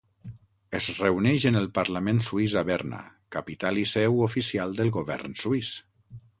Es reuneix en el parlament suís a Berna, capital i seu oficial del govern suís.